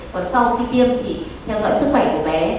còn sau khi tiêm thì theo dõi sức khỏe của bé